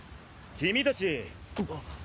君たち。